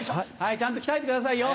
ちゃんと鍛えてくださいよ。